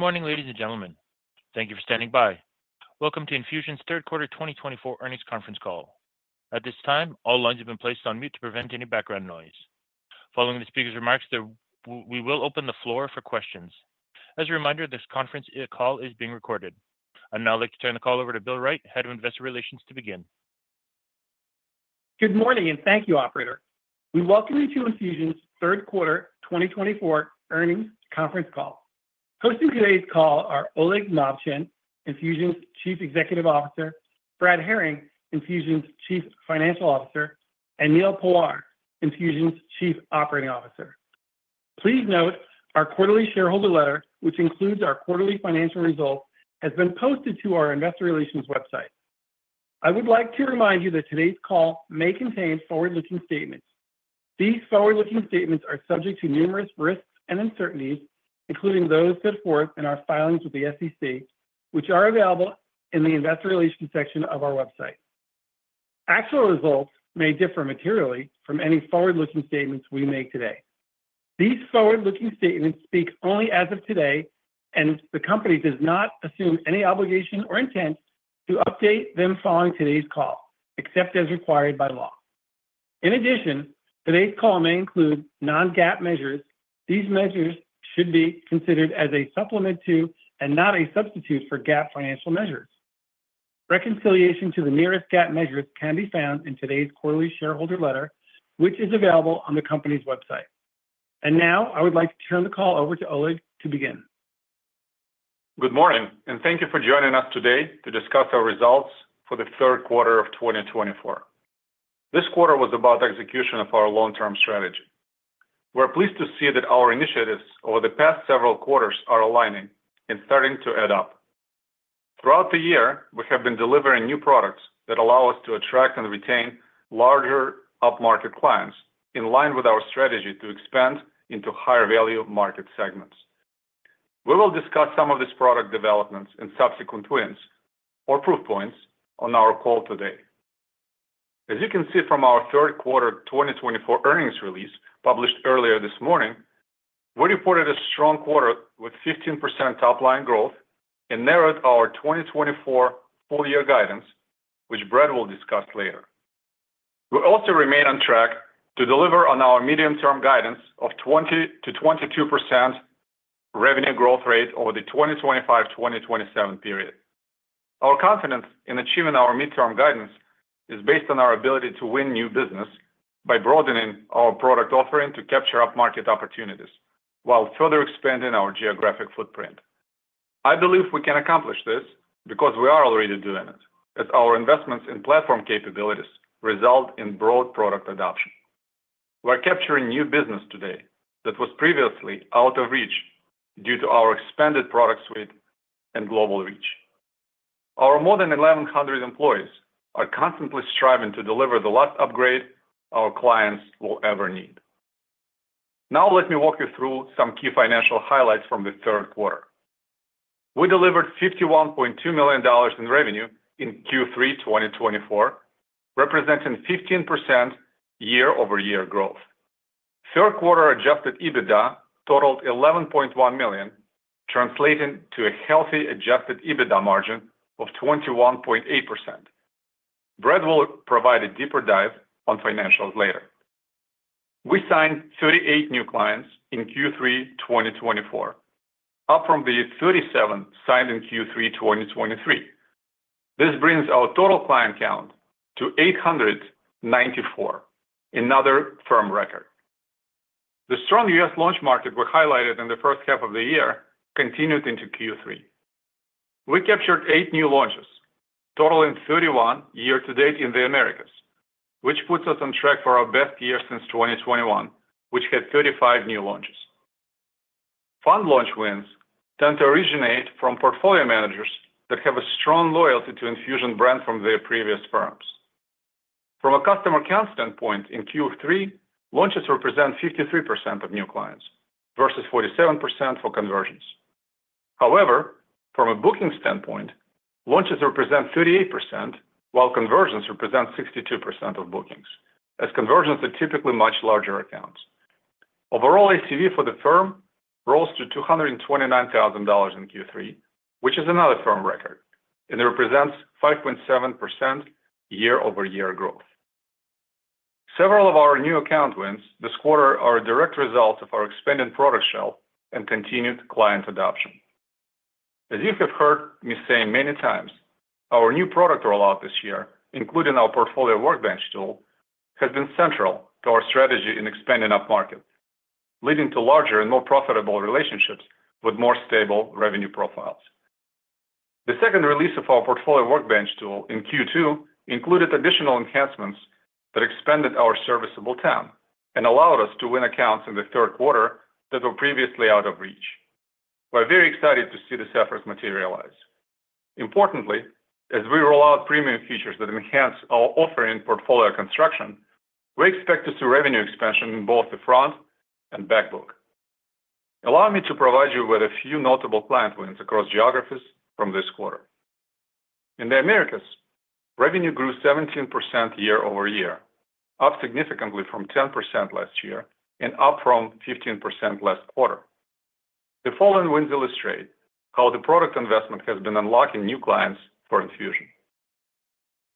Good morning, ladies and gentlemen. Thank you for standing by. Welcome to Enfusion's third quarter 2024 earnings conference call. At this time, all lines have been placed on mute to prevent any background noise. Following the speaker's remarks, we will open the floor for questions. As a reminder, this conference call is being recorded. I'd now like to turn the call over to Bill Wright, Head of Investor Relations, to begin. Good morning, and thank you, Operator. We welcome you to Enfusion's third quarter 2024 earnings conference call. Hosting today's call are Oleg Movchan, Enfusion's Chief Executive Officer, Brad Herring, Enfusion's Chief Financial Officer, and Neal Pawar, Enfusion's Chief Operating Officer. Please note our quarterly shareholder letter, which includes our quarterly financial results, has been posted to our Investor Relations website. I would like to remind you that today's call may contain forward-looking statements. These forward-looking statements are subject to numerous risks and uncertainties, including those put forth in our filings with the SEC, which are available in the Investor Relations section of our website. Actual results may differ materially from any forward-looking statements we make today. These forward-looking statements speak only as of today, and the company does not assume any obligation or intent to update them following today's call, except as required by law. In addition, today's call may include non-GAAP measures. These measures should be considered as a supplement to and not a substitute for GAAP financial measures. Reconciliation to the nearest GAAP measures can be found in today's quarterly shareholder letter, which is available on the company's website. And now, I would like to turn the call over to Oleg to begin. Good morning, and thank you for joining us today to discuss our results for the third quarter of 2024. This quarter was about the execution of our long-term strategy. We're pleased to see that our initiatives over the past several quarters are aligning and starting to add up. Throughout the year, we have been delivering new products that allow us to attract and retain larger up-market clients in line with our strategy to expand into higher-value market segments. We will discuss some of these product developments and subsequent wins, or proof points, on our call today. As you can see from our third quarter 2024 earnings release published earlier this morning, we reported a strong quarter with 15% top-line growth and narrowed our 2024 full-year guidance, which Brad will discuss later. We also remain on track to deliver on our medium-term guidance of 20%-22% revenue growth rate over the 2025-2027 period. Our confidence in achieving our midterm guidance is based on our ability to win new business by broadening our product offering to capture up-market opportunities while further expanding our geographic footprint. I believe we can accomplish this because we are already doing it, as our investments in platform capabilities result in broad product adoption. We're capturing new business today that was previously out of reach due to our expanded product suite and global reach. Our more than 1,100 employees are constantly striving to deliver the last upgrade our clients will ever need. Now, let me walk you through some key financial highlights from the third quarter. We delivered $51.2 million in revenue in Q3 2024, representing 15% year-over-year growth. Third-quarter Adjusted EBITDA totaled $11.1 million, translating to a healthy Adjusted EBITDA margin of 21.8%. Brad will provide a deeper dive on financials later. We signed 38 new clients in Q3 2024, up from the 37 signed in Q3 2023. This brings our total client count to 894, another firm record. The strong U.S. launch market we highlighted in the first half of the year continued into Q3. We captured eight new launches, totaling 31 year-to-date in the Americas, which puts us on track for our best year since 2021, which had 35 new launches. Fund launch wins tend to originate from portfolio managers that have a strong loyalty to Enfusion brand from their previous firms. From a customer count standpoint, in Q3, launches represent 53% of new clients versus 47% for conversions. However, from a booking standpoint, launches represent 38%, while conversions represent 62% of bookings, as conversions are typically much larger accounts. Overall, ACV for the firm rose to $229,000 in Q3, which is another firm record, and it represents 5.7% year-over-year growth. Several of our new account wins this quarter are a direct result of our expanding product shelf and continued client adoption. As you have heard me say many times, our new product rollout this year, including our Portfolio Workbench tool, has been central to our strategy in expanding up-market, leading to larger and more profitable relationships with more stable revenue profiles. The second release of our Portfolio Workbench tool in Q2 included additional enhancements that expanded our serviceable TAM and allowed us to win accounts in the third quarter that were previously out of reach. We're very excited to see this effort materialize. Importantly, as we roll out premium features that enhance our offering and portfolio construction, we expect to see revenue expansion in both the front and back book. Allow me to provide you with a few notable client wins across geographies from this quarter. In the Americas, revenue grew 17% year-over-year, up significantly from 10% last year and up from 15% last quarter. The following wins illustrate how the product investment has been unlocking new clients for Enfusion.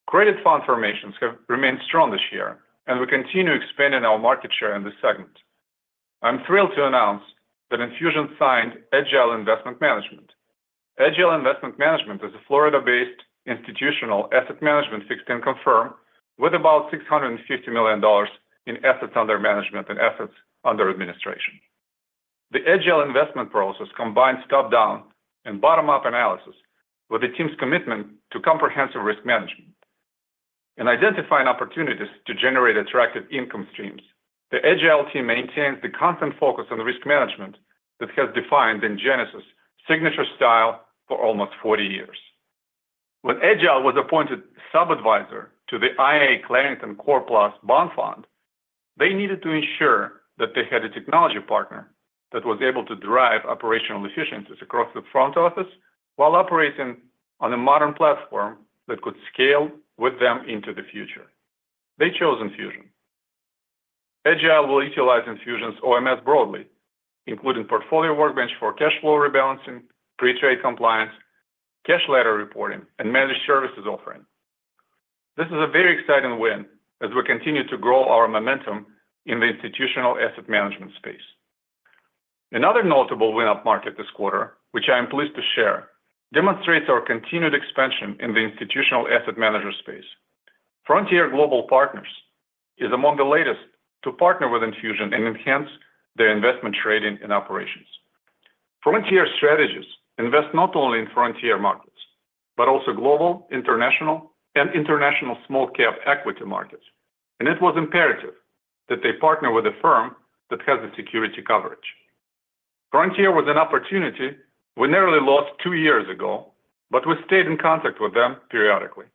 Credit fund formations have remained strong this year, and we continue expanding our market share in this segment. I'm thrilled to announce that Enfusion signed Agile Investment Management. Agile Investment Management is a Florida-based institutional asset management fixed income firm with about $650 million in assets under management and assets under administration. The Agile Investment process combines top-down and bottom-up analysis with the team's commitment to comprehensive risk management and identifying opportunities to generate attractive income streams. The Agile team maintains the constant focus on risk management that has defined Genesys signature style for almost 40 years. When Agile was appointed sub-advisor to the IA Clarington Core Plus Bond Fund, they needed to ensure that they had a technology partner that was able to drive operational efficiencies across the front office while operating on a modern platform that could scale with them into the future. They chose Enfusion. Agile will utilize Enfusion's OMS broadly, including Portfolio Workbench for cash flow rebalancing, pre-trade compliance, cash letter reporting, and Managed Services offering. This is a very exciting win as we continue to grow our momentum in the institutional asset management space. Another notable win up-market this quarter, which I'm pleased to share, demonstrates our continued expansion in the institutional asset manager space. Frontier Global Partners is among the latest to partner with Enfusion and enhance their investment trading and operations. Frontier strategists invest not only in frontier markets but also global, international, and international small-cap equity markets, and it was imperative that they partner with a firm that has the security coverage. Frontier was an opportunity we narrowly lost two years ago, but we stayed in contact with them periodically.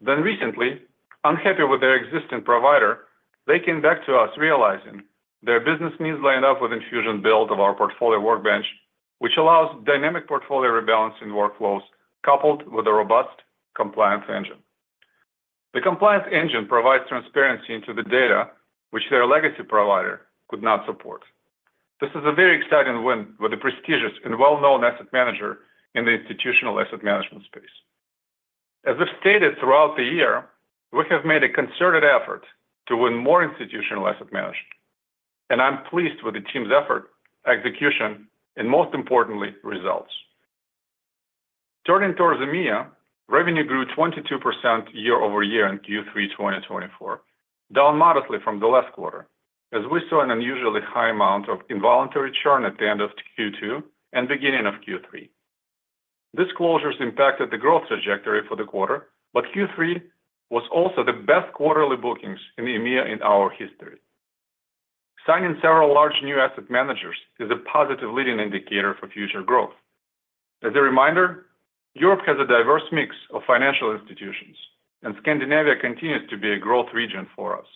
Then recently, unhappy with their existing provider, they came back to us realizing their business needs lined up with Enfusion's build of our portfolio workbench, which allows dynamic portfolio rebalancing workflows coupled with a robust compliance engine. The compliance engine provides transparency into the data, which their legacy provider could not support. This is a very exciting win with a prestigious and well-known asset manager in the institutional asset management space. As I've stated throughout the year, we have made a concerted effort to win more institutional asset management, and I'm pleased with the team's effort, execution, and most importantly, results. Turning towards EMEA, revenue grew 22% year-over-year in Q3 2024, down modestly from the last quarter, as we saw an unusually high amount of involuntary churn at the end of Q2 and beginning of Q3. This churn has impacted the growth trajectory for the quarter, but Q3 was also the best quarterly bookings in EMEA in our history. Signing several large new asset managers is a positive leading indicator for future growth. As a reminder, Europe has a diverse mix of financial institutions, and Scandinavia continues to be a growth region for us.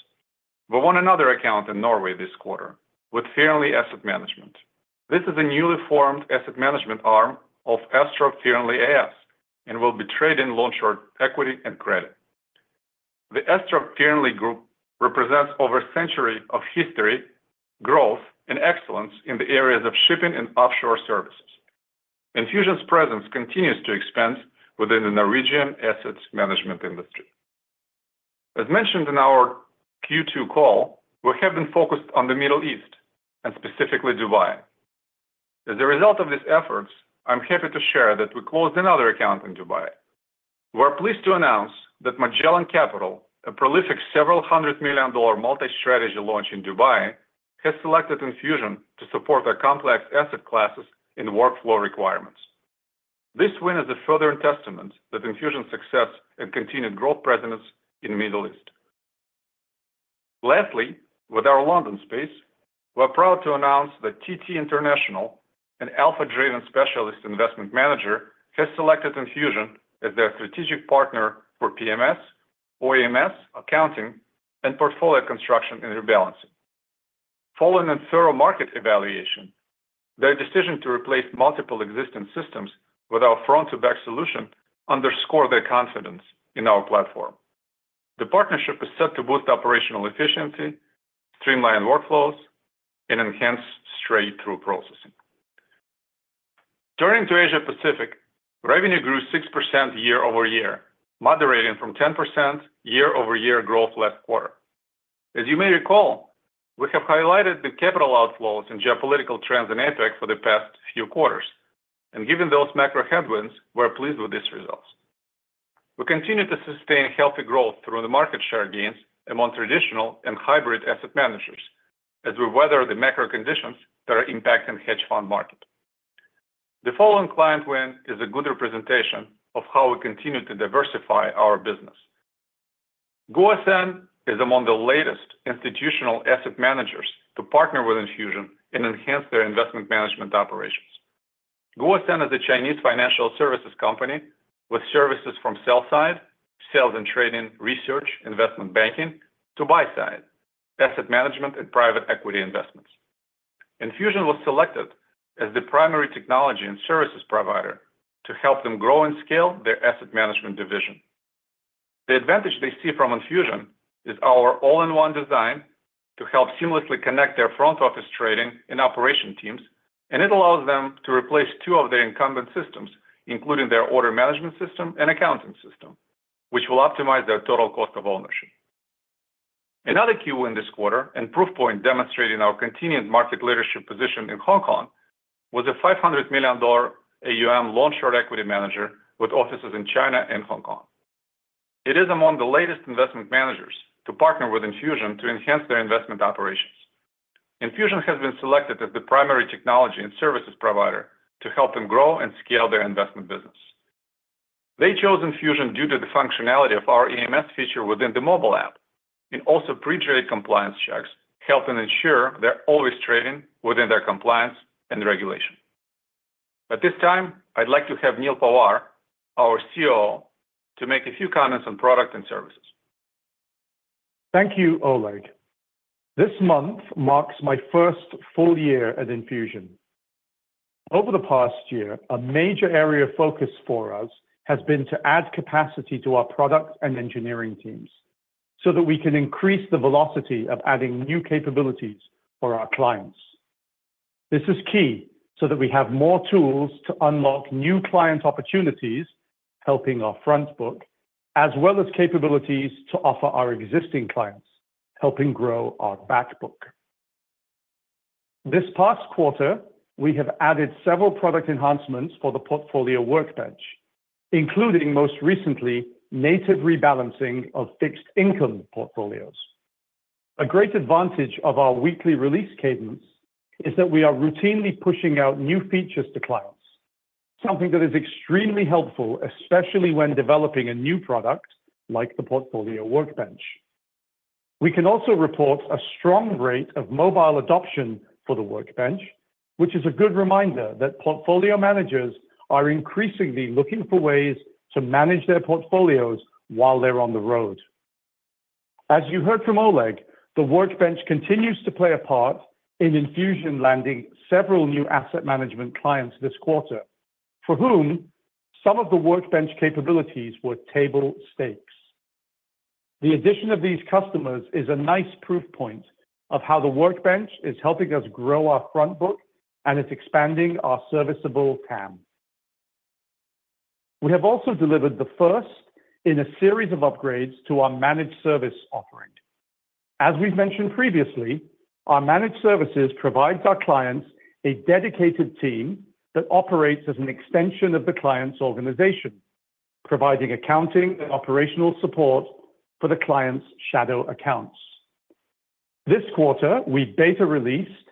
We won another account in Norway this quarter with Fearnley Asset Management. This is a newly formed asset management arm of Astrup Fearnley AS and will be trading long-short equity and credit. The Astrup Fearnley Group represents over a century of history, growth, and excellence in the areas of shipping and offshore services. Enfusion's presence continues to expand within the Norwegian asset management industry. As mentioned in our Q2 call, we have been focused on the Middle East and specifically Dubai. As a result of these efforts, I'm happy to share that we closed another account in Dubai. We're pleased to announce that Magellan Capital, a prolific several-hundred-million-dollar multi-strategy launch in Dubai, has selected Enfusion to support our complex asset classes and workflow requirements. This win is a further testament that Enfusion's success and continued growth presence in the Middle East. Lastly, with our London space, we're proud to announce that TT International, an alpha-driven specialist investment manager, has selected Enfusion as their strategic partner for PMS, OEMS, accounting, and portfolio construction and rebalancing. Following a thorough market evaluation, their decision to replace multiple existing systems with our front-to-back solution underscored their confidence in our platform. The partnership is set to boost operational efficiency, streamline workflows, and enhance straight-through processing. Turning to Asia-Pacific, revenue grew 6% year-over-year, moderating from 10% year-over-year growth last quarter. As you may recall, we have highlighted the capital outflows and geopolitical trends in APEC for the past few quarters, and given those macro headwinds, we're pleased with these results. We continue to sustain healthy growth through the market share gains among traditional and hybrid asset managers as we weather the macro conditions that are impacting the hedge fund market. The following client win is a good representation of how we continue to diversify our business. Guosen is among the latest institutional asset managers to partner with Enfusion and enhance their investment management operations. Guosen is a Chinese financial services company with services from sell-side (sales and trading, research, investment banking) to buy-side (asset management and private equity investments). Enfusion was selected as the primary technology and services provider to help them grow and scale their asset management division. The advantage they see from Enfusion is our all-in-one design to help seamlessly connect their front office trading and operation teams, and it allows them to replace two of their incumbent systems, including their order management system and accounting system, which will optimize their total cost of ownership. Another key win this quarter and proof point demonstrating our continued market leadership position in Hong Kong was a $500 million AUM long-short equity manager with offices in China and Hong Kong. It is among the latest investment managers to partner with Enfusion to enhance their investment operations. Enfusion has been selected as the primary technology and services provider to help them grow and scale their investment business. They chose Enfusion due to the functionality of our EMS feature within the mobile app and also pre-trade compliance checks, helping ensure they're always trading within their compliance and regulation. At this time, I'd like to have Neal Pawar, our COO, to make a few comments on product and services. Thank you, Oleg. This month marks my first full year at Enfusion. Over the past year, a major area of focus for us has been to add capacity to our product and engineering teams so that we can increase the velocity of adding new capabilities for our clients. This is key so that we have more tools to unlock new client opportunities, helping our Front book, as well as capabilities to offer our existing clients, helping grow our Backbook. This past quarter, we have added several product enhancements for the Portfolio Workbench, including most recently native rebalancing of fixed income portfolios. A great advantage of our weekly release cadence is that we are routinely pushing out new features to clients, something that is extremely helpful, especially when developing a new product like the Portfolio Workbench. We can also report a strong rate of mobile adoption for the workbench, which is a good reminder that portfolio managers are increasingly looking for ways to manage their portfolios while they're on the road. As you heard from Oleg, the workbench continues to play a part in Enfusion landing several new asset management clients this quarter, for whom some of the workbench capabilities were table stakes. The addition of these customers is a nice proof point of how the workbench is helping us grow our front book and is expanding our serviceable TAM. We have also delivered the first in a series of upgrades to our managed service offering. As we've mentioned previously, our managed services provides our clients a dedicated team that operates as an extension of the client's organization, providing accounting and operational support for the client's shadow accounts. This quarter, we beta released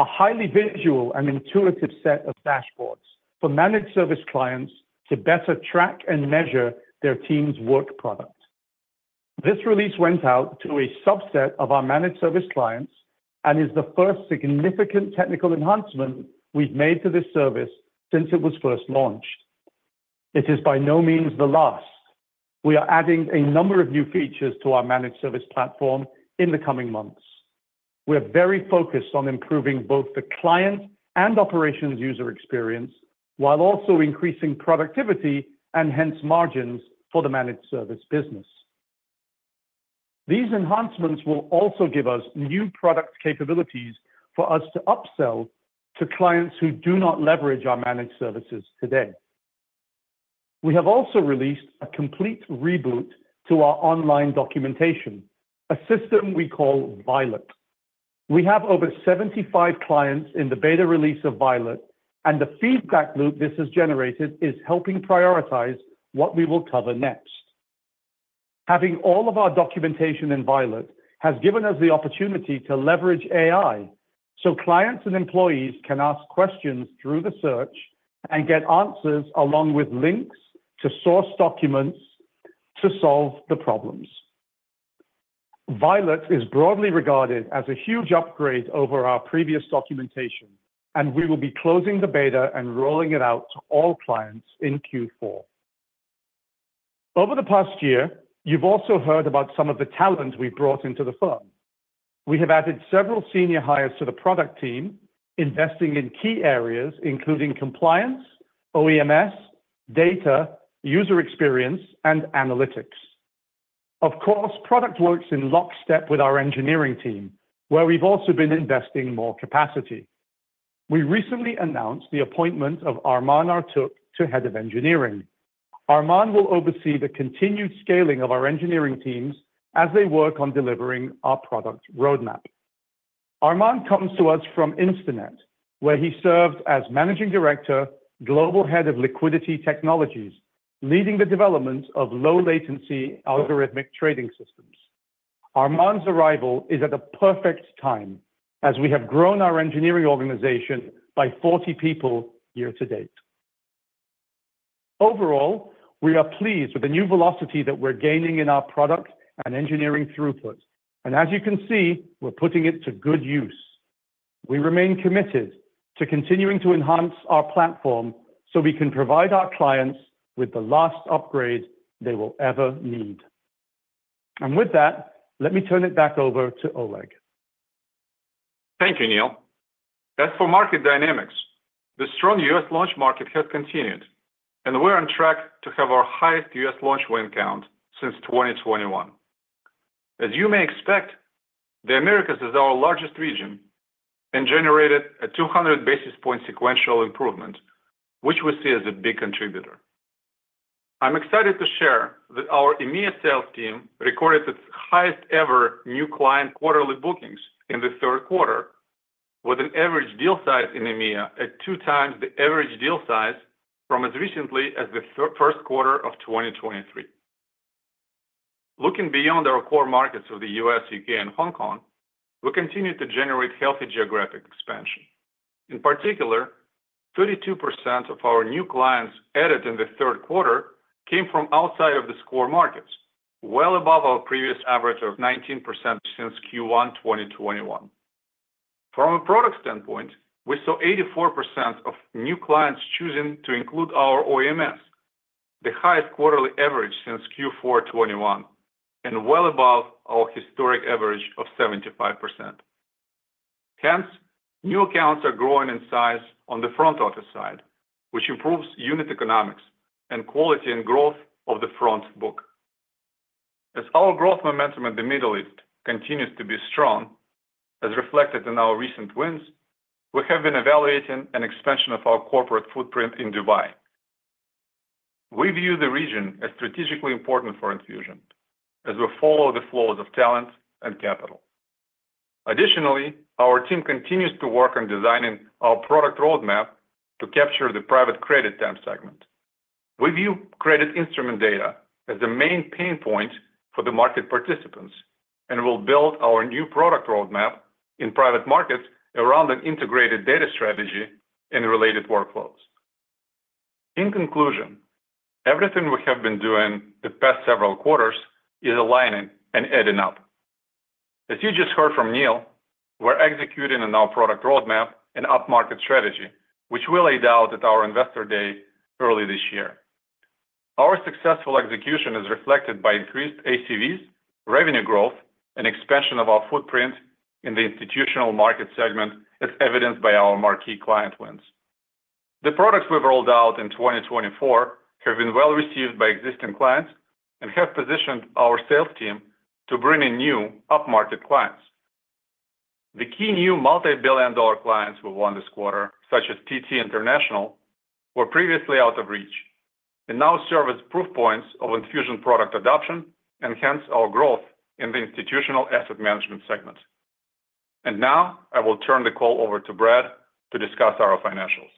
a highly visual and intuitive set of dashboards for managed service clients to better track and measure their team's work product. This release went out to a subset of our managed service clients and is the first significant technical enhancement we've made to this service since it was first launched. It is by no means the last. We are adding a number of new features to our managed service platform in the coming months. We're very focused on improving both the client and operations user experience while also increasing productivity and hence margins for the managed service business. These enhancements will also give us new product capabilities for us to upsell to clients who do not leverage our managed services today. We have also released a complete reboot to our online documentation, a system we call Violet. We have over 75 clients in the beta release of Violet, and the feedback loop this has generated is helping prioritize what we will cover next. Having all of our documentation in Violet has given us the opportunity to leverage AI so clients and employees can ask questions through the search and get answers along with links to source documents to solve the problems. Violet is broadly regarded as a huge upgrade over our previous documentation, and we will be closing the beta and rolling it out to all clients in Q4. Over the past year, you've also heard about some of the talent we've brought into the firm. We have added several senior hires to the product team, investing in key areas including compliance, OEMS, data, user experience, and analytics. Of course, product works in lockstep with our engineering team, where we've also been investing more capacity. We recently announced the appointment of Arman Artuk to Head of Engineering. Arman will oversee the continued scaling of our engineering teams as they work on delivering our product roadmap. Arman comes to us from Instinet, where he served as managing director, global head of liquidity technologies, leading the development of low-latency algorithmic trading systems. Arman's arrival is at a perfect time as we have grown our engineering organization by 40 people year to date. Overall, we are pleased with the new velocity that we're gaining in our product and engineering throughput, and as you can see, we're putting it to good use. We remain committed to continuing to enhance our platform so we can provide our clients with the last upgrade they will ever need. And with that, let me turn it back over to Oleg. Thank you, Neal. As for market dynamics, the strong U.S. launch market has continued, and we're on track to have our highest U.S. launch win count since 2021. As you may expect, the Americas is our largest region and generated a 200 basis points sequential improvement, which we see as a big contributor. I'm excited to share that our EMEA sales team recorded its highest ever new client quarterly bookings in the third quarter, with an average deal size in EMEA at two times the average deal size from as recently as the first quarter of 2023. Looking beyond our core markets of the U.S., U.K., and Hong Kong, we continue to generate healthy geographic expansion. In particular, 32% of our new clients added in the third quarter came from outside of the core markets, well above our previous average of 19% since Q1 2021. From a product standpoint, we saw 84% of new clients choosing to include our OEMS, the highest quarterly average since Q4 2021, and well above our historic average of 75%. Hence, new accounts are growing in size on the front office side, which improves unit economics and quality and growth of the front book. As our growth momentum in the Middle East continues to be strong, as reflected in our recent wins, we have been evaluating an expansion of our corporate footprint in Dubai. We view the region as strategically important for Enfusion as we follow the flows of talent and capital. Additionally, our team continues to work on designing our product roadmap to capture the private credit TAM segment. We view credit instrument data as the main pain point for the market participants and will build our new product roadmap in private markets around an integrated data strategy and related workflows. In conclusion, everything we have been doing the past several quarters is aligning and adding up. As you just heard from Neal, we're executing on our product roadmap and up-market strategy, which we laid out at our investor day early this year. Our successful execution is reflected by increased ACVs, revenue growth, and expansion of our footprint in the institutional market segment, as evidenced by our marquee client wins. The products we've rolled out in 2024 have been well received by existing clients and have positioned our sales team to bring in new up-market clients. The key new multi-billion dollar clients we won this quarter, such as TT International, were previously out of reach and now serve as proof points of Enfusion product adoption and hence our growth in the institutional asset management segment. And now I will turn the call over to Brad to discuss our financials.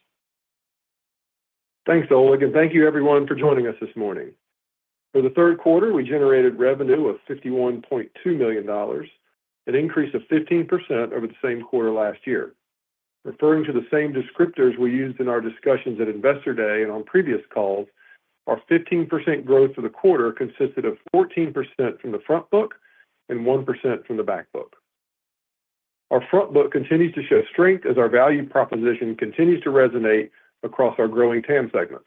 Thanks, Oleg, and thank you, everyone, for joining us this morning. For the third quarter, we generated revenue of $51.2 million, an increase of 15% over the same quarter last year. Referring to the same descriptors we used in our discussions at investor day and on previous calls, our 15% growth for the quarter consisted of 14% from the front book and 1% from the backbook. Our front book continues to show strength as our value proposition continues to resonate across our growing TAM segments.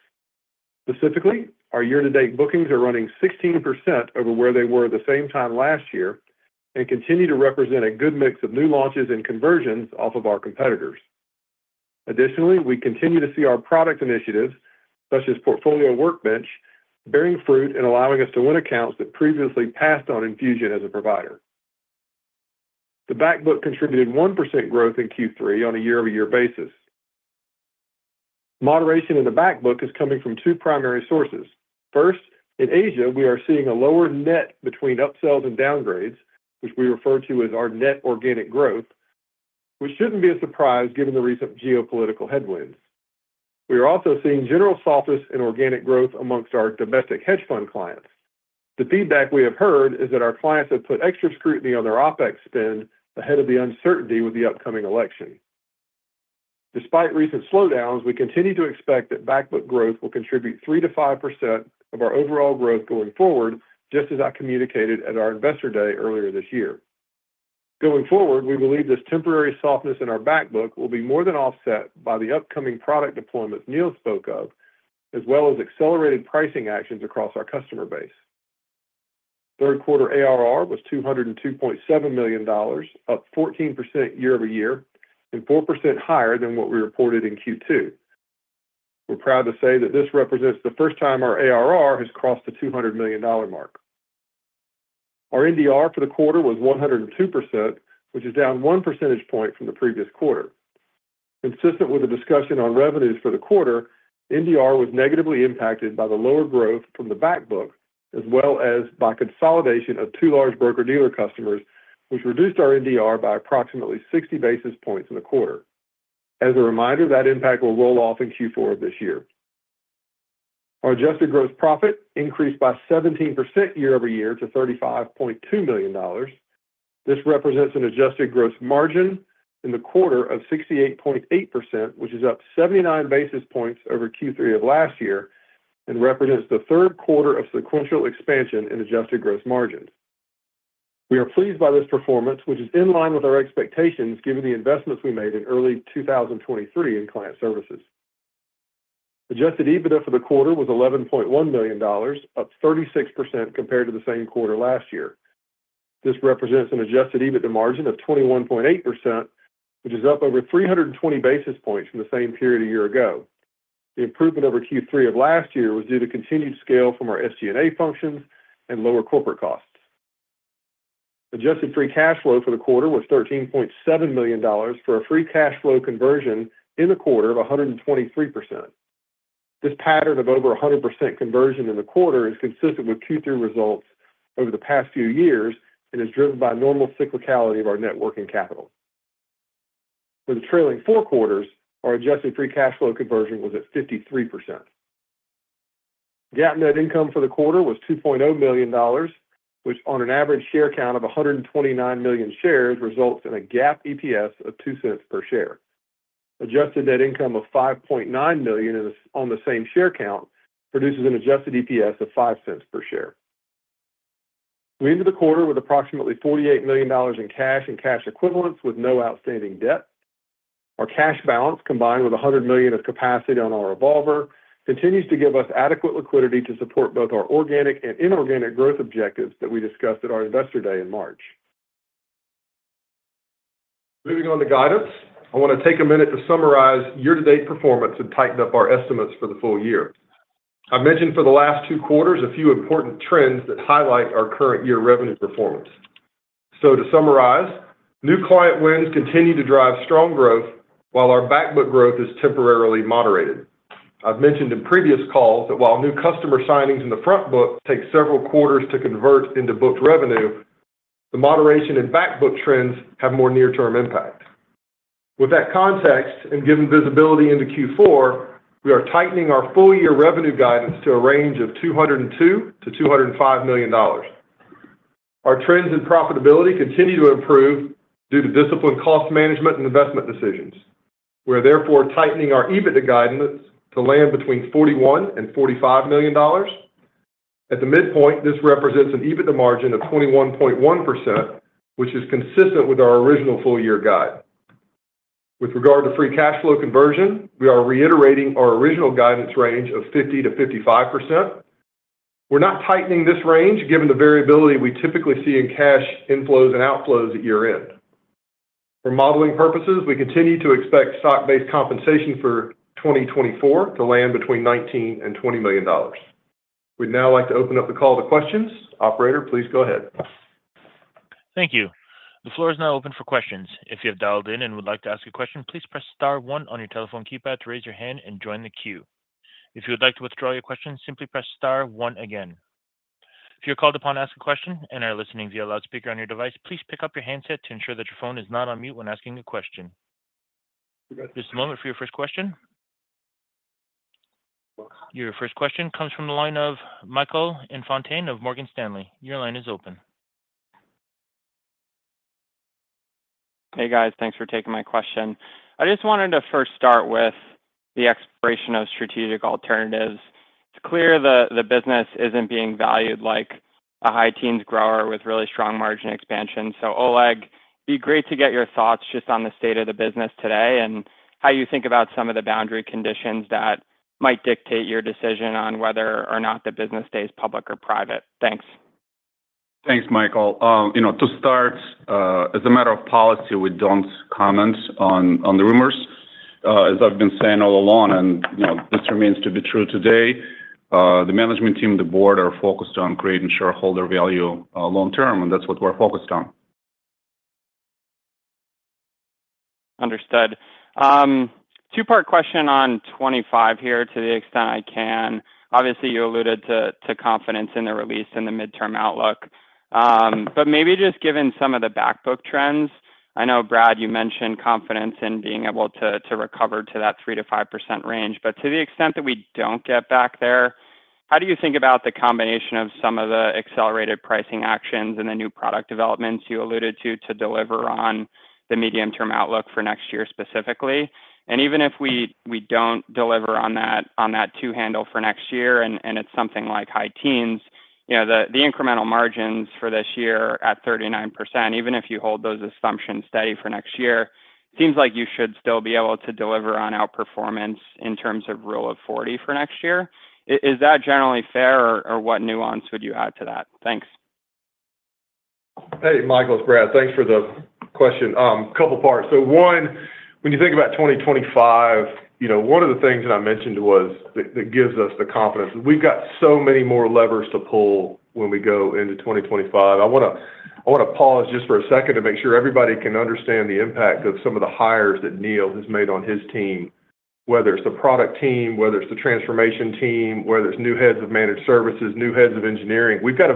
Specifically, our year-to-date bookings are running 16% over where they were the same time last year and continue to represent a good mix of new launches and conversions off of our competitors. Additionally, we continue to see our product initiatives, such as Portfolio Workbench, bearing fruit and allowing us to win accounts that previously passed on Enfusion as a provider. The backbook contributed 1% growth in Q3 on a year-over-year basis. Moderation in the backbook is coming from two primary sources. First, in Asia, we are seeing a lower net between upsells and downgrades, which we refer to as our net organic growth, which shouldn't be a surprise given the recent geopolitical headwinds. We are also seeing general softness in organic growth amongst our domestic hedge fund clients. The feedback we have heard is that our clients have put extra scrutiny on their OpEx spend ahead of the uncertainty with the upcoming election. Despite recent slowdowns, we continue to expect that backbook growth will contribute 3%-5% of our overall growth going forward, just as I communicated at our investor day earlier this year. Going forward, we believe this temporary softness in our backbook will be more than offset by the upcoming product deployments Neal spoke of, as well as accelerated pricing actions across our customer base. Third quarter ARR was $202.7 million, up 14% year-over-year and 4% higher than what we reported in Q2. We're proud to say that this represents the first time our ARR has crossed the $200 million mark. Our NDR for the quarter was 102%, which is down one percentage point from the previous quarter. Consistent with the discussion on revenues for the quarter, NDR was negatively impacted by the lower growth from the backbook, as well as by consolidation of two large broker-dealer customers, which reduced our NDR by approximately 60 basis points in the quarter. As a reminder, that impact will roll off in Q4 of this year. Our adjusted gross profit increased by 17% year-over-year to $35.2 million. This represents an adjusted gross margin in the quarter of 68.8%, which is up 79 basis points over Q3 of last year and represents the third quarter of sequential expansion in adjusted gross margins. We are pleased by this performance, which is in line with our expectations given the investments we made in early 2023 in client services. Adjusted EBITDA for the quarter was $11.1 million, up 36% compared to the same quarter last year. This represents an adjusted EBITDA margin of 21.8%, which is up over 320 basis points from the same period a year ago. The improvement over Q3 of last year was due to continued scale from our SG&A functions and lower corporate costs. Adjusted free cash flow for the quarter was $13.7 million for a free cash flow conversion in the quarter of 123%. This pattern of over 100% conversion in the quarter is consistent with Q3 results over the past few years and is driven by normal cyclicality of our working capital. For the trailing four quarters, our adjusted free cash flow conversion was at 53%. GAAP net income for the quarter was $2.0 million, which on an average share count of 129 million shares results in a GAAP EPS of $0.02 per share. Adjusted net income of $5.9 million on the same share count produces an adjusted EPS of $0.05 per share. We ended the quarter with approximately $48 million in cash and cash equivalents with no outstanding debt. Our cash balance, combined with $100 million of capacity on our revolver, continues to give us adequate liquidity to support both our organic and inorganic growth objectives that we discussed at our investor day in March. Moving on to guidance, I want to take a minute to summarize year-to-date performance and tighten up our estimates for the full year. I've mentioned for the last two quarters a few important trends that highlight our current year revenue performance. To summarize, new client wins continue to drive strong growth while our backbook growth is temporarily moderated. I've mentioned in previous calls that while new customer signings in the front book take several quarters to convert into booked revenue, the moderation in backbook trends have more near-term impact. With that context and given visibility into Q4, we are tightening our full-year revenue guidance to a range of $202million-$205 million. Our trends in profitability continue to improve due to disciplined cost management and investment decisions. We are therefore tightening our EBITDA guidance to land between $41 million-$45 million. At the midpoint, this represents an EBITDA margin of 21.1%, which is consistent with our original full-year guide. With regard to free cash flow conversion, we are reiterating our original guidance range of 50%-55%. We're not tightening this range given the variability we typically see in cash inflows and outflows at year-end. For modeling purposes, we continue to expect stock-based compensation for 2024 to land between $19 million-$20 million. We'd now like to open up the call to questions. Operator, please go ahead. Thank you. The floor is now open for questions. If you have dialed in and would like to ask a question, please press star one on your telephone keypad to raise your hand and join the queue. If you would like to withdraw your question, simply press star one again. If you're called upon to ask a question and are listening via loudspeaker on your device, please pick up your handset to ensure that your phone is not on mute when asking a question. This is a moment for your first question. Your first question comes from the line of Michael Infante of Morgan Stanley. Your line is open. Hey, guys. Thanks for taking my question. I just wanted to first start with the exploration of strategic alternatives. It's clear the business isn't being valued like a high-teens grower with really strong margin expansion. So Oleg, it'd be great to get your thoughts just on the state of the business today and how you think about some of the boundary conditions that might dictate your decision on whether or not the business stays public or private. Thanks. Thanks, Michael. To start, as a matter of policy, we don't comment on the rumors. As I've been saying all along, and this remains to be true today, the management team and the board are focused on creating shareholder value long-term, and that's what we're focused on. Understood. Two-part question on 25 here to the extent I can. Obviously, you alluded to confidence in the release and the midterm outlook. But maybe just given some of the backbook trends, I know, Brad, you mentioned confidence in being able to recover to that 3%-5% range. But to the extent that we don't get back there, how do you think about the combination of some of the accelerated pricing actions and the new product developments you alluded to to deliver on the medium-term outlook for next year specifically? And even if we don't deliver on that two-handle for next year and it's something like high-teens, the incremental margins for this year at 39%, even if you hold those assumptions steady for next year, it seems like you should still be able to deliver on outperformance in terms of Rule of 40 for next year. Is that generally fair, or what nuance would you add to that? Thanks. Hey, Michael, it's Brad. Thanks for the question. A couple of parts. So one, when you think about 2025, one of the things that I mentioned was that gives us the confidence. We've got so many more levers to pull when we go into 2025. I want to pause just for a second to make sure everybody can understand the impact of some of the hires that Neal has made on his team, whether it's the product team, whether it's the transformation team, whether it's new heads of managed services, new heads of engineering. We've got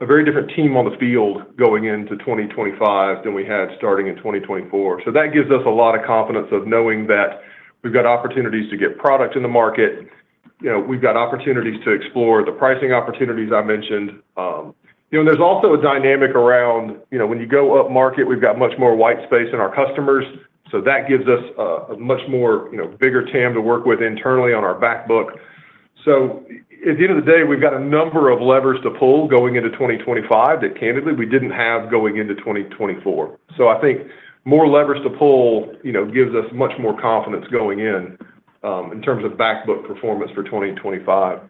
a very different team on the field going into 2025 than we had starting in 2024. So that gives us a lot of confidence of knowing that we've got opportunities to get product in the market. We've got opportunities to explore the pricing opportunities I mentioned. There's also a dynamic around when you go up-market, we've got much more white space in our customers. So that gives us a much bigger TAM to work with internally on our backbook. So at the end of the day, we've got a number of levers to pull going into 2025 that, candidly, we didn't have going into 2024. So I think more levers to pull gives us much more confidence going in in terms of backbook performance for 2025.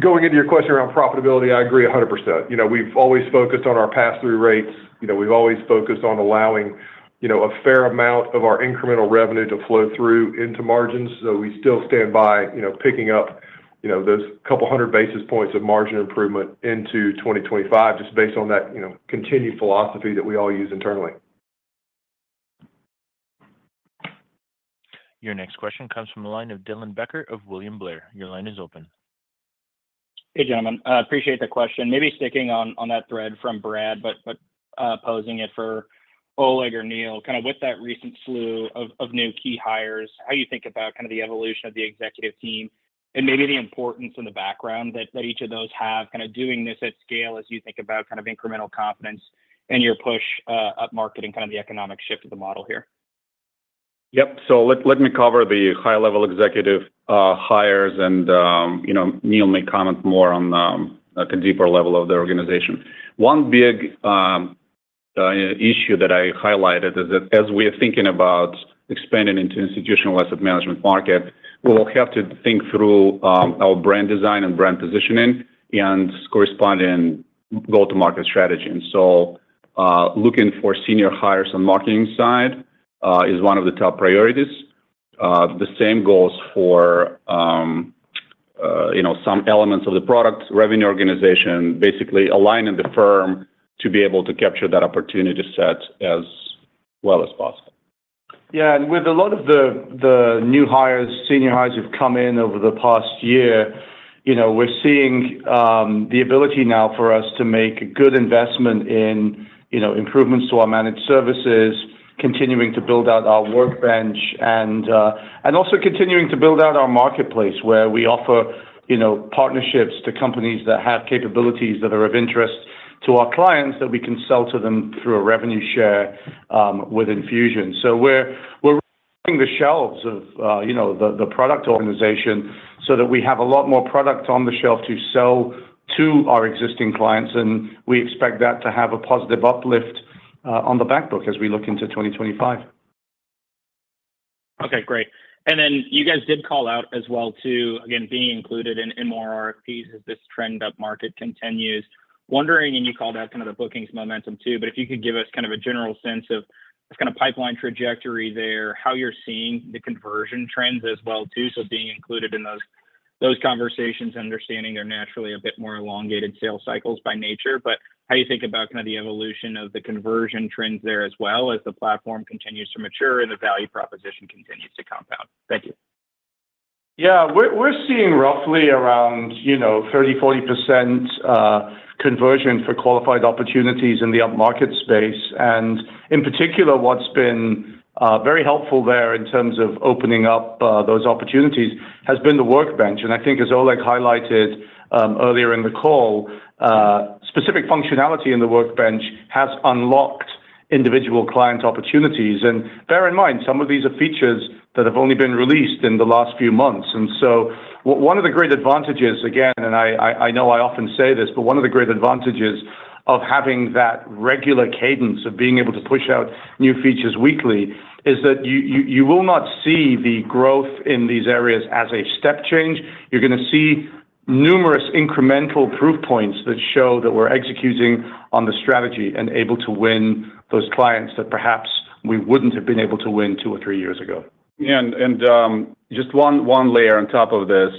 Going into your question around profitability, I agree 100%. We've always focused on our pass-through rates. We've always focused on allowing a fair amount of our incremental revenue to flow through into margins. So we still stand by picking up those couple hundred basis points of margin improvement into 2025 just based on that continued philosophy that we all use internally. Your next question comes from the line of Dylan Becker of William Blair. Your line is open. Hey, gentlemen. I appreciate the question. Maybe sticking on that thread from Brad, but posing it for Oleg or Neal, kind of with that recent slew of new key hires, how you think about kind of the evolution of the executive team and maybe the importance in the background that each of those have kind of doing this at scale as you think about kind of incremental confidence and your push up-market and kind of the economic shift of the model here. Yep, so let me cover the high-level executive hires, and Neal may comment more on a deeper level of the organization. One big issue that I highlighted is that as we are thinking about expanding into institutional asset management market, we will have to think through our brand design and brand positioning and corresponding go-to-market strategy, and so looking for senior hires on the marketing side is one of the top priorities. The same goes for some elements of the product revenue organization, basically aligning the firm to be able to capture that opportunity set as well as possible. Yeah. And with a lot of the new hires, senior hires who've come in over the past year, we're seeing the ability now for us to make a good investment in improvements to our managed services, continuing to build out our workbench, and also continuing to build out our marketplace where we offer partnerships to companies that have capabilities that are of interest to our clients that we can sell to them through a revenue share with Enfusion. So we're pushing the envelope of the product organization so that we have a lot more product on the shelf to sell to our existing clients. And we expect that to have a positive uplift on the backbook as we look into 2025. Okay. Great. And then you guys did call out as well to, again, being included in more RFPs as this trend up-market continues. Wondering, and you called out kind of the bookings momentum too, but if you could give us kind of a general sense of kind of pipeline trajectory there, how you're seeing the conversion trends as well too, so being included in those conversations and understanding they're naturally a bit more elongated sales cycles by nature. But how do you think about kind of the evolution of the conversion trends there as well as the platform continues to mature and the value proposition continues to compound? Thank you. Yeah. We're seeing roughly around 30%-40% conversion for qualified opportunities in the up-market space. And in particular, what's been very helpful there in terms of opening up those opportunities has been the workbench. I think, as Oleg highlighted earlier in the call, specific functionality in the workbench has unlocked individual client opportunities. Bear in mind, some of these are features that have only been released in the last few months. One of the great advantages, again, and I know I often say this, but one of the great advantages of having that regular cadence of being able to push out new features weekly is that you will not see the growth in these areas as a step change. You're going to see numerous incremental proof points that show that we're executing on the strategy and able to win those clients that perhaps we wouldn't have been able to win two or three years ago. Yeah. Just one layer on top of this,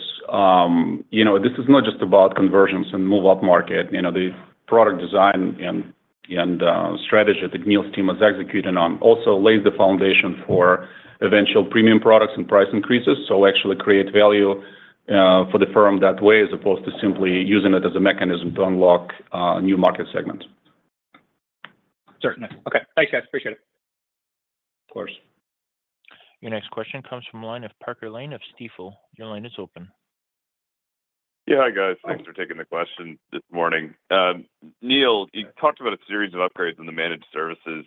this is not just about conversions and move-up market. The product design and strategy that Neal's team has executed on also lays the foundation for eventual premium products and price increases. So actually create value for the firm that way as opposed to simply using it as a mechanism to unlock a new market segment. Certainly. Okay. Thanks, guys. Appreciate it. Of course. Your next question comes from the line of Parker Lane of Stifel. Your line is open. Yeah. Hi, guys. Thanks for taking the question this morning. Neal, you talked about a series of upgrades in the managed services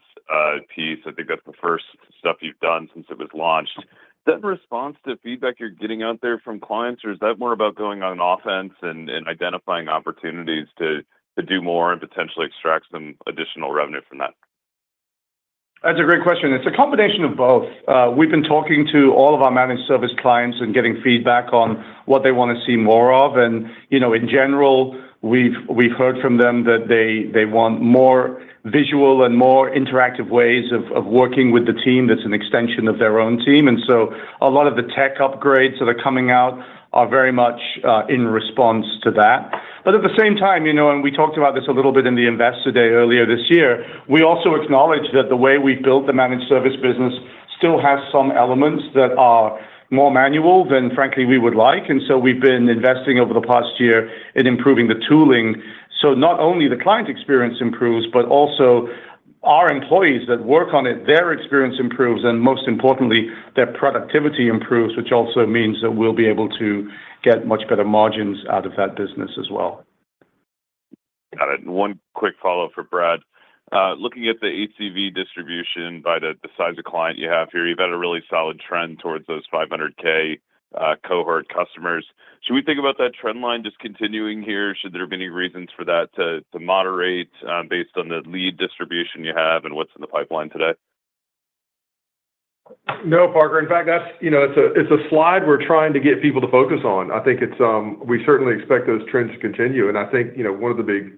piece. I think that's the first stuff you've done since it was launched. Is that in response to feedback you're getting out there from clients, or is that more about going on an offense and identifying opportunities to do more and potentially extract some additional revenue from that? That's a great question. It's a combination of both. We've been talking to all of our managed service clients and getting feedback on what they want to see more of, and in general, we've heard from them that they want more visual and more interactive ways of working with the team that's an extension of their own team. And so a lot of the tech upgrades that are coming out are very much in response to that, but at the same time, and we talked about this a little bit in the investor day earlier this year, we also acknowledge that the way we've built the managed service business still has some elements that are more manual than, frankly, we would like, and so we've been investing over the past year in improving the tooling. So not only the client experience improves, but also our employees that work on it, their experience improves, and most importantly, their productivity improves, which also means that we'll be able to get much better margins out of that business as well. Got it. One quick follow-up for Brad. Looking at the ACV distribution by the size of client you have here, you've had a really solid trend towards those 500K cohort customers. Should we think about that trend line just continuing here? Should there have been any reasons for that to moderate based on the lead distribution you have and what's in the pipeline today? No, Parker. In fact, it's a slide we're trying to get people to focus on. I think we certainly expect those trends to continue. I think one of the big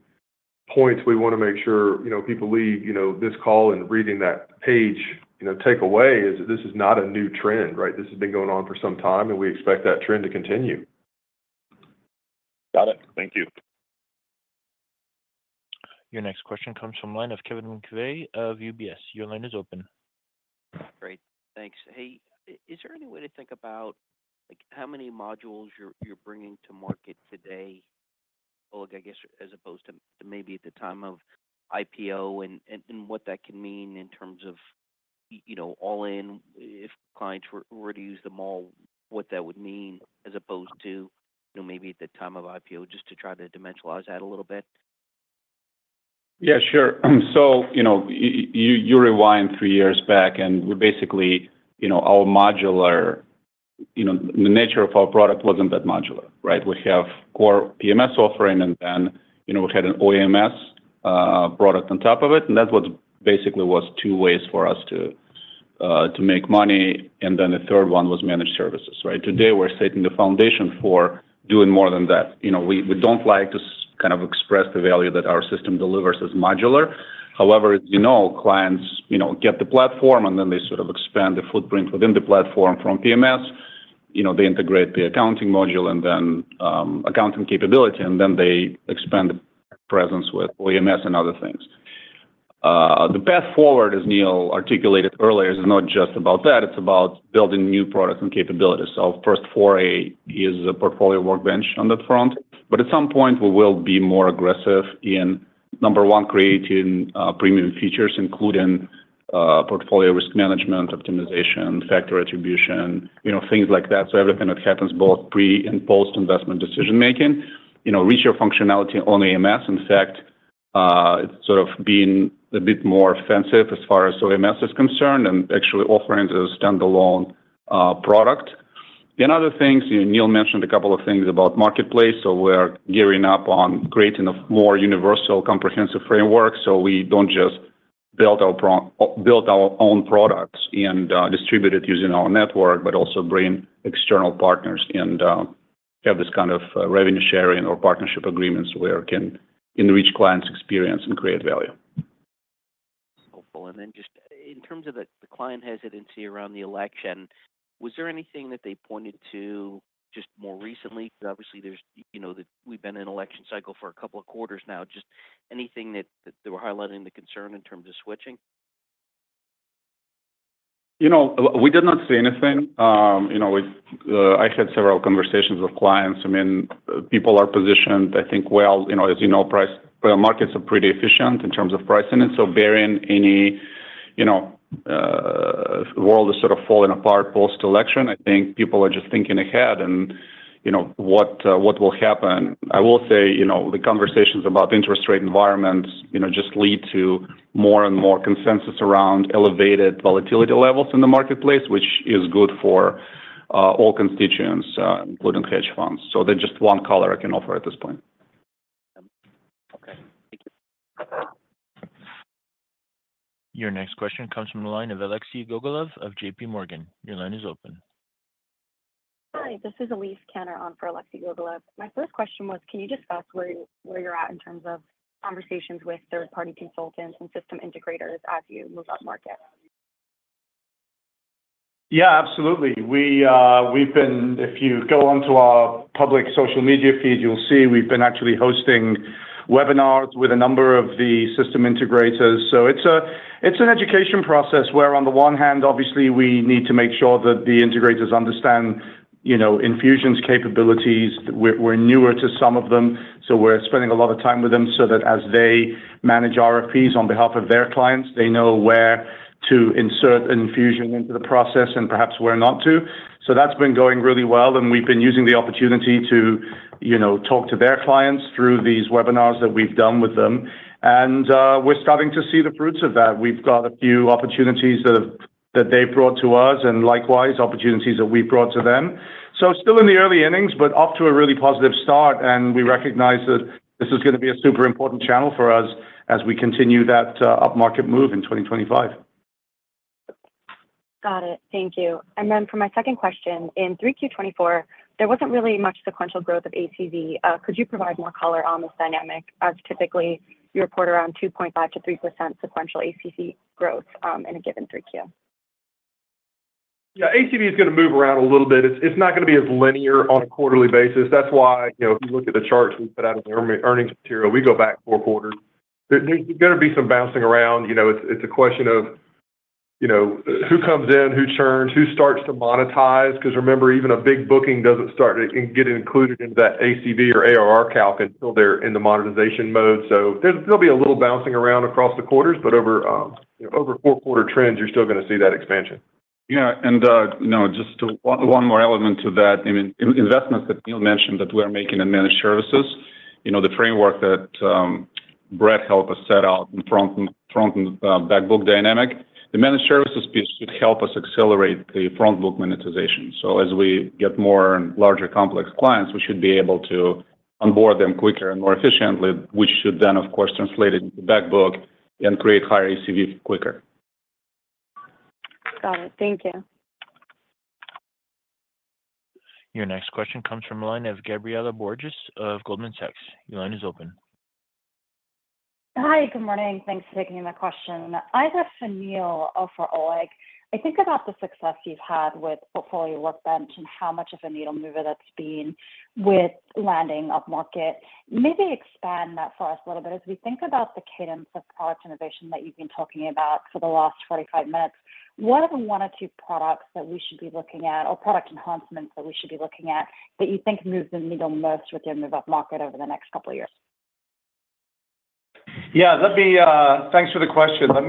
points we want to make sure people leave this call and reading that page take away is that this is not a new trend, right? This has been going on for some time, and we expect that trend to continue. Got it. Thank you. Your next question comes from the line of Kevin McVeigh of UBS. Your line is open. Great. Thanks. Hey, is there any way to think about how many modules you're bringing to market today, Oleg, I guess, as opposed to maybe at the time of IPO and what that can mean in terms of all-in if clients were to use them all, what that would mean as opposed to maybe at the time of IPO, just to try to dimensionalize that a little bit? Yeah, sure. So you rewind three years back, and basically, the modular nature of our product wasn't that modular, right? We have core PMS offering, and then we had an OEMS product on top of it. And that's what basically was two ways for us to make money. And then the third one was managed services, right? Today, we're setting the foundation for doing more than that. We don't like to kind of express the value that our system delivers as modular. However, as you know, clients get the platform, and then they sort of expand the footprint within the platform from PMS. They integrate the accounting module and then accounting capability, and then they expand the presence with OEMS and other things. The path forward, as Neal articulated earlier, is not just about that. It's about building new products and capabilities. So first, foray is a Portfolio Workbench on that front. But at some point, we will be more aggressive in, number one, creating premium features, including portfolio risk management, optimization, factor attribution, things like that. So everything that happens both pre and post-investment decision-making, richer functionality on PMS. In fact, it's sort of been a bit more offensive as far as OEMS is concerned and actually offering the standalone product. And other things, Neal mentioned a couple of things about marketplace. So we're gearing up on creating a more universal comprehensive framework so we don't just build our own products and distribute it using our network, but also bring external partners and have this kind of revenue sharing or partnership agreements where we can enrich clients' experience and create value. Helpful. And then just in terms of the client hesitancy around the election, was there anything that they pointed to just more recently? Obviously, we've been in an election cycle for a couple of quarters now. Just anything that they were highlighting the concern in terms of switching? We did not see anything. I had several conversations with clients. I mean, people are positioned, I think, well, as you know, markets are pretty efficient in terms of pricing. And so barring any world is sort of falling apart post-election, I think people are just thinking ahead and what will happen. I will say the conversations about interest rate environments just lead to more and more consensus around elevated volatility levels in the marketplace, which is good for all constituents, including hedge funds. So that's just one color I can offer at this point. Okay. Thank you. Your next question comes from the line of Alexei Gogolov of J.P. Morgan. Your line is open. Hi. This is Elyse Kanner on for Alexei Gogolov. My first question was, can you discuss where you're at in terms of conversations with third-party consultants and system integrators as you move upmarket? Yeah, absolutely. If you go onto our public social media feed, you'll see we've been actually hosting webinars with a number of the system integrators. So it's an education process where, on the one hand, obviously, we need to make sure that the integrators understand Enfusion's capabilities. We're newer to some of them, so we're spending a lot of time with them so that as they manage RFPs on behalf of their clients, they know where to insert an Enfusion into the process and perhaps where not to. So that's been going really well, and we've been using the opportunity to talk to their clients through these webinars that we've done with them. And we're starting to see the fruits of that. We've got a few opportunities that they've brought to us and likewise opportunities that we've brought to them. So still in the early innings, but off to a really positive start. And we recognize that this is going to be a super important channel for us as we continue that up-market move in 2025. Got it. Thank you. And then for my second question, in 3Q24, there wasn't really much sequential growth of ACV. Could you provide more color on this dynamic? Typically, you report around 2.5%-3% sequential ACV growth in a given 3Q. Yeah. ACV is going to move around a little bit. It's not going to be as linear on a quarterly basis. That's why if you look at the charts we put out in the earnings material, we go back four quarters. There's going to be some bouncing around. It's a question of who comes in, who churns, who starts to monetize. Because remember, even a big booking doesn't start and get included into that ACV or ARR calc until they're in the monetization mode. So there'll be a little bouncing around across the quarters, but over four-quarter trends, you're still going to see that expansion. Yeah. And just one more element to that. I mean, investments that Neal mentioned that we're making in managed services, the framework that Brad helped us set out in front and backbook dynamic, the managed services piece should help us accelerate the front book monetization. So as we get more and larger complex clients, we should be able to onboard them quicker and more efficiently, which should then, of course, translate it into backbook and create higher ACV quicker. Got it. Thank you. Your next question comes from the line of Gabriela Borges of Goldman Sachs. Your line is open. Hi. Good morning. Thanks for taking my question. I have a question for Neal and Oleg. I think about the success you've had with Portfolio Workbench and how much of a needle mover that's been with landing up-market. Maybe expand that for us a little bit. As we think about the cadence of product innovation that you've been talking about for the last 45 minutes, what are the one or two products that we should be looking at or product enhancements that we should be looking at that you think move the needle most with your move-up market over the next couple of years? Yeah. Thanks for the question. Let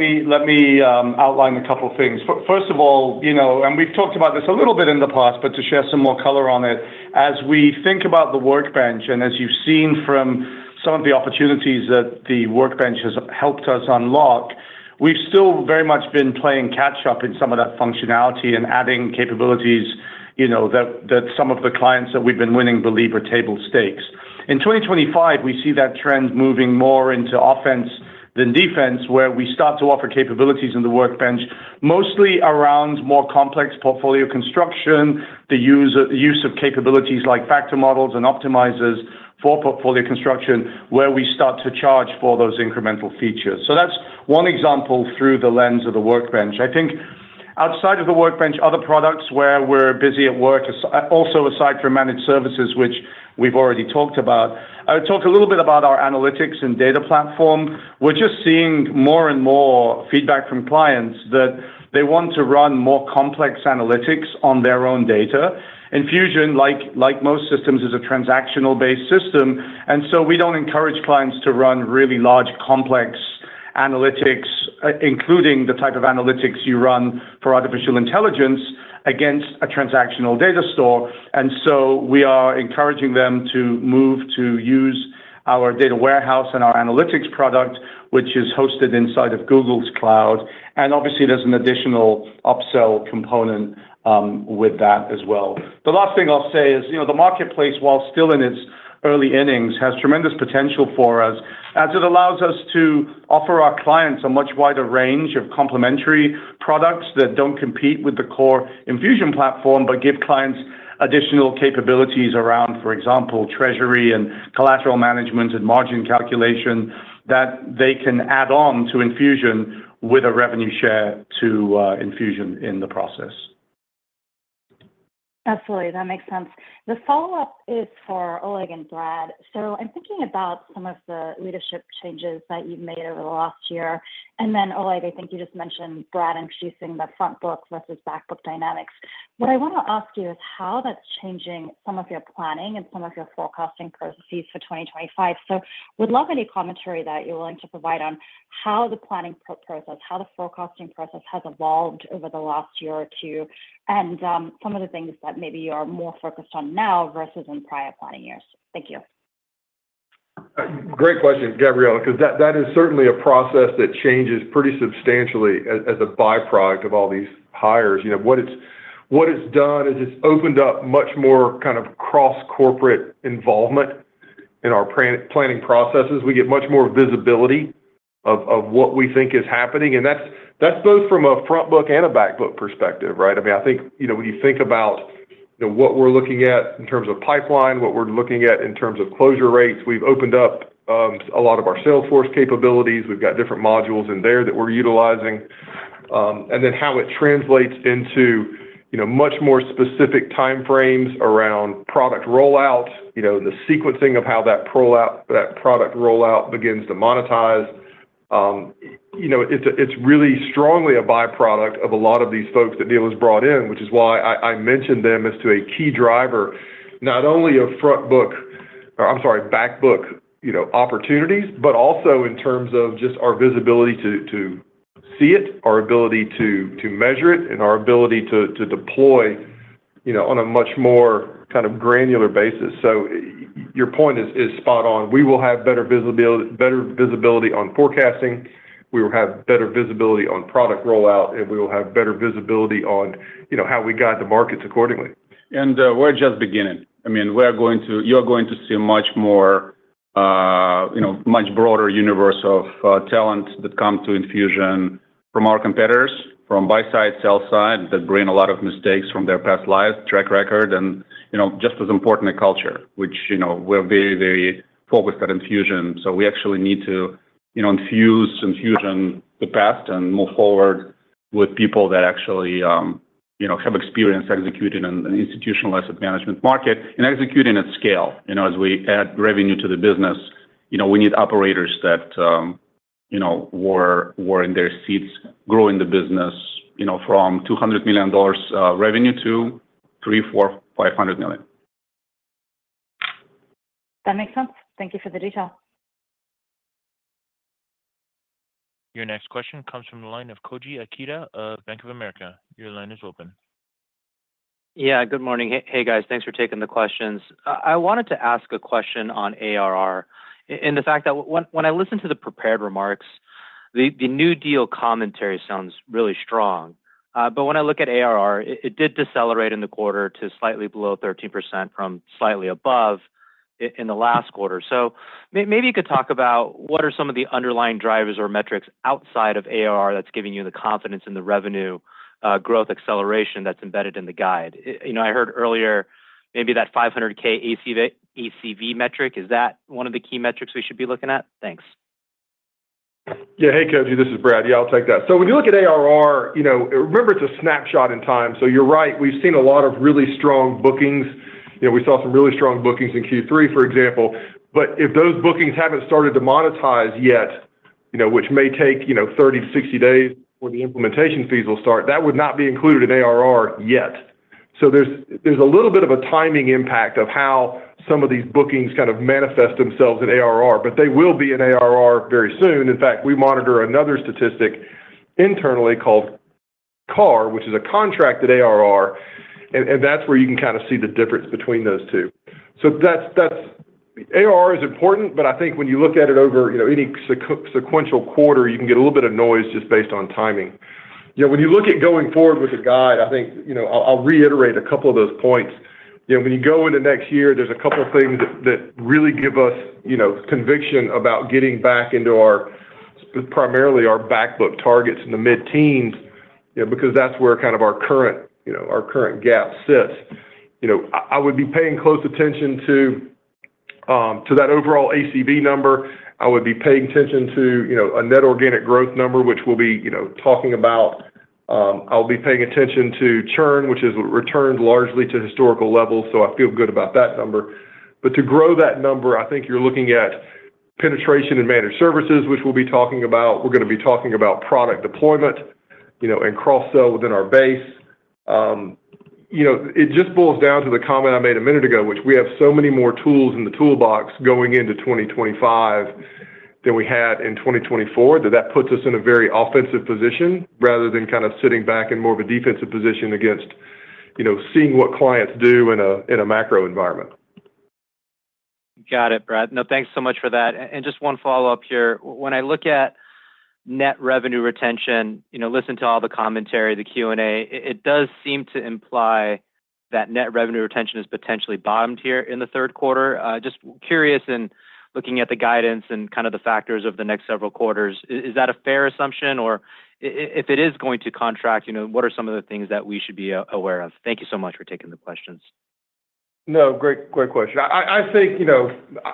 me outline a couple of things. First of all, and we've talked about this a little bit in the past, but to share some more color on it, as we think about the workbench and as you've seen from some of the opportunities that the workbench has helped us unlock, we've still very much been playing catch-up in some of that functionality and adding capabilities that some of the clients that we've been winning believe are table stakes. In 2025, we see that trend moving more into offense than defense, where we start to offer capabilities in the Workbench, mostly around more complex portfolio construction, the use of capabilities like factor models and optimizers for portfolio construction, where we start to charge for those incremental features. So that's one example through the lens of the Workbench. I think outside of the Workbench, other products where we're busy at work, also aside from Managed Services, which we've already talked about, I would talk a little bit about our analytics and data platform. We're just seeing more and more feedback from clients that they want to run more complex analytics on their own data. Enfusion, like most systems, is a transactional-based system. And so we don't encourage clients to run really large complex analytics, including the type of analytics you run for artificial intelligence against a transactional data store. And so we are encouraging them to move to use our data warehouse and our analytics product, which is hosted inside of Google's cloud. And obviously, there's an additional upsell component with that as well. The last thing I'll say is the marketplace, while still in its early innings, has tremendous potential for us as it allows us to offer our clients a much wider range of complementary products that don't compete with the core Enfusion platform, but give clients additional capabilities around, for example, treasury and collateral management and margin calculation that they can add on to Enfusion with a revenue share to Enfusion in the process. Absolutely. That makes sense. The follow-up is for Oleg and Brad. So I'm thinking about some of the leadership changes that you've made over the last year. And then, Oleg, I think you just mentioned Brad introducing the frontbook versus backbook dynamics. What I want to ask you is how that's changing some of your planning and some of your forecasting processes for 2025. So would love any commentary that you're willing to provide on how the planning process, how the forecasting process has evolved over the last year or two, and some of the things that maybe you are more focused on now versus in prior planning years. Thank you. Great question, Gabriela, because that is certainly a process that changes pretty substantially as a byproduct of all these hires. What it's done is it's opened up much more kind of cross-corporate involvement in our planning processes. We get much more visibility of what we think is happening. And that's both from a frontbook and a backbook perspective, right? I mean, I think when you think about what we're looking at in terms of pipeline, what we're looking at in terms of closure rates, we've opened up a lot of our Salesforce capabilities. We've got different modules in there that we're utilizing. And then how it translates into much more specific timeframes around product rollout, the sequencing of how that product rollout begins to monetize. It's really strongly a byproduct of a lot of these folks that Neal has brought in, which is why I mentioned them as to a key driver, not only of frontbook or, I'm sorry, backbook opportunities, but also in terms of just our visibility to see it, our ability to measure it, and our ability to deploy on a much more kind of granular basis. So your point is spot on. We will have better visibility on forecasting. We will have better visibility on product rollout, and we will have better visibility on how we guide the markets accordingly. And we're just beginning. I mean, you're going to see a much more broader universe of talent that comes to Enfusion from our competitors, from buy-side, sell-side, that bring a lot of mistakes from their past lives, track record, and just as important a culture, which we're very, very focused on Enfusion. So we actually need to infuse Enfusion to the past and move forward with people that actually have experience executing an institutional asset management market and executing at scale. As we add revenue to the business, we need operators that were in their seats growing the business from $200 million revenue to $300 million, $400 million, $500 million. That makes sense. Thank you for the detail. Your next question comes from the line of Koji Ikeda of Bank of America. Your line is open. Yeah. Good morning. Hey, guys. Thanks for taking the questions. I wanted to ask a question on ARR, and the fact that when I listened to the prepared remarks, the new deal commentary sounds really strong, but when I look at ARR, it did decelerate in the quarter to slightly below 13% from slightly above in the last quarter, so maybe you could talk about what are some of the underlying drivers or metrics outside of ARR that's giving you the confidence in the revenue growth acceleration that's embedded in the guide. I heard earlier maybe that 500K ACV metric. Is that one of the key metrics we should be looking at? Thanks. Yeah. Hey, Koji. This is Brad. Yeah, I'll take that. So when you look at ARR, remember it's a snapshot in time. So you're right. We've seen a lot of really strong bookings. We saw some really strong bookings in Q3, for example. But if those bookings haven't started to monetize yet, which may take 30-60 days before the implementation fees will start, that would not be included in ARR yet. So there's a little bit of a timing impact of how some of these bookings kind of manifest themselves in ARR, but they will be in ARR very soon. In fact, we monitor another statistic internally called CAR, which is a contracted ARR, and that's where you can kind of see the difference between those two. So ARR is important, but I think when you look at it over any sequential quarter, you can get a little bit of a noise just based on timing. When you look at going forward with the guide, I think I'll reiterate a couple of those points. When you go into next year, there's a couple of things that really give us conviction about getting back into primarily our backbook targets in the mid-teens because that's where kind of our current gap sits. I would be paying close attention to that overall ACV number. I would be paying attention to a net organic growth number, which we'll be talking about. I'll be paying attention to churn, which has returned largely to historical levels. So I feel good about that number. But to grow that number, I think you're looking at penetration and managed services, which we'll be talking about. We're going to be talking about product deployment and cross-sell within our base. It just boils down to the comment I made a minute ago, which we have so many more tools in the toolbox going into 2025 than we had in 2024, that that puts us in a very offensive position rather than kind of sitting back in more of a defensive position against seeing what clients do in a macro environment. Got it, Brad. No, thanks so much for that, and just one follow-up here. When I look at net revenue retention, listen to all the commentary, the Q&A, it does seem to imply that net revenue retention is potentially bottomed here in the third quarter. Just curious in looking at the guidance and kind of the factors of the next several quarters. Is that a fair assumption? Or if it is going to contract, what are some of the things that we should be aware of? Thank you so much for taking the questions. No, great question. I think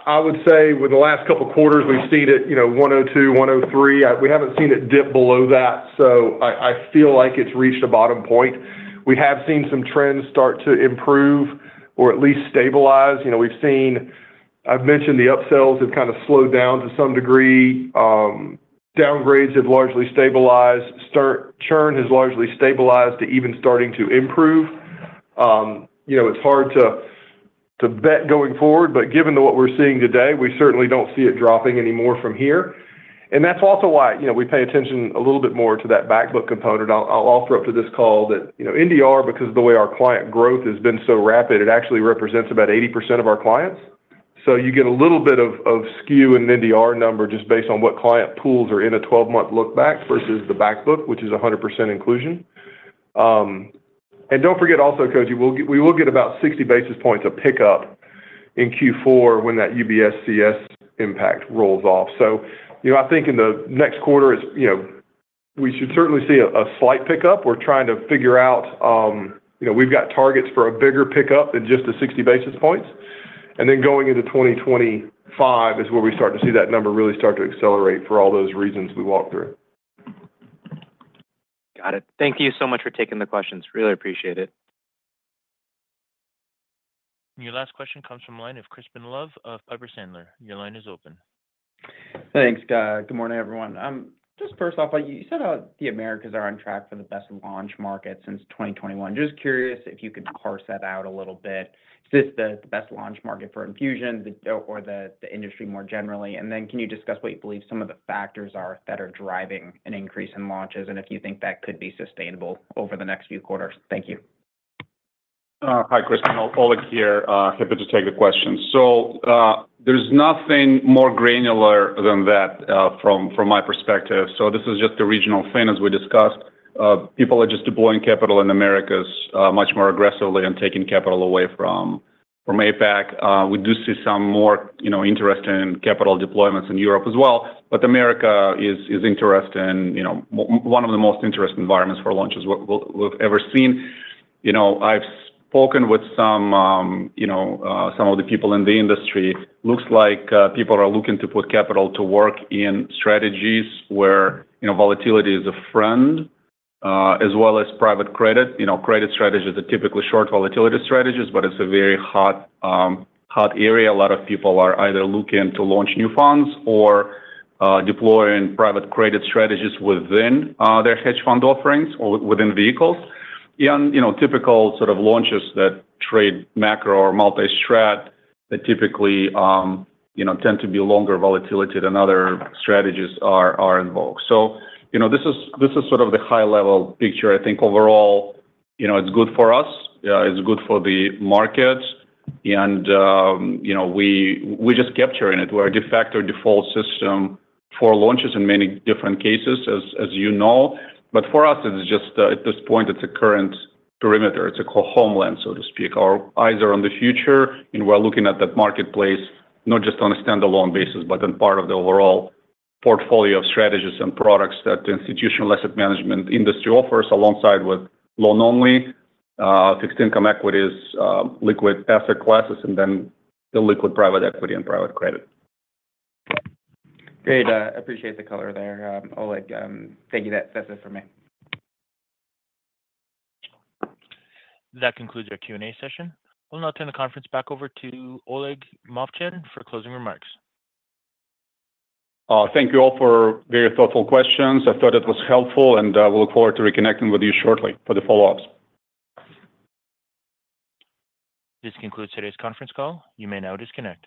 I would say with the last couple of quarters, we've seen it 102, 103. We haven't seen it dip below that. So I feel like it's reached a bottom point. We have seen some trends start to improve or at least stabilize. I've mentioned the upsells have kind of slowed down to some degree. Downgrades have largely stabilized. Churn has largely stabilized to even starting to improve. It's hard to bet going forward, but given what we're seeing today, we certainly don't see it dropping anymore from here. And that's also why we pay attention a little bit more to that backbook component. I'll offer up to this call that NDR, because of the way our client growth has been so rapid, it actually represents about 80% of our clients. So you get a little bit of skew in the NDR number just based on what client pools are in a 12-month lookback versus the backbook, which is 100% inclusion. And don't forget also, Koji, we will get about 60 basis points of pickup in Q4 when that UBS CS impact rolls off. So I think in the next quarter, we should certainly see a slight pickup. We're trying to figure out we've got targets for a bigger pickup than just the 60 basis points. And then going into 2025 is where we start to see that number really start to accelerate for all those reasons we walked through. Got it. Thank you so much for taking the questions. Really appreciate it. Your last question comes from the line of Crispin Love of Piper Sandler. Your line is open. Thanks, Guy. Good morning, everyone. Just first off, you said the Americas are on track for the best launch market since 2021. Just curious if you could parse that out a little bit. Is this the best launch market for Enfusion or the industry more generally? And then can you discuss what you believe some of the factors are that are driving an increase in launches and if you think that could be sustainable over the next few quarters? Thank you. Hi, Crispin. Oleg here, happy to take the question. So there's nothing more granular than that from my perspective. So this is just a regional thing, as we discussed. People are just deploying capital in the Americas much more aggressively and taking capital away from APAC. We do see some more interesting capital deployments in Europe as well. But America is interesting. One of the most interesting environments for launches we've ever seen. I've spoken with some of the people in the industry. Looks like people are looking to put capital to work in strategies where volatility is a friend, as well as private credit. Credit strategies are typically short volatility strategies, but it's a very hot area. A lot of people are either looking to launch new funds or deploying private credit strategies within their hedge fund offerings or within vehicles. And typical sort of launches that trade macro or multi-strat that typically tend to be longer volatility than other strategies are involved. So this is sort of the high-level picture. I think overall, it's good for us. It's good for the market. And we're just capturing it. We're a de facto default system for launches in many different cases, as you know. But for us, at this point, it's a current perimeter. It's a homeland, so to speak. Our eyes are on the future, and we're looking at that marketplace not just on a standalone basis, but in part of the overall portfolio of strategies and products that the institutional asset management industry offers alongside with long-only, fixed income equities, liquid asset classes, and then the liquid private equity and private credit. Great. I appreciate the color there, Oleg. Thank you. That's it for me. That concludes our Q&A session. I'll now turn the conference back over to Oleg Movchan for closing remarks. Thank you all for very thoughtful questions. I thought it was helpful, and we'll look forward to reconnecting with you shortly for the follow-ups. This concludes today's conference call. You may now disconnect.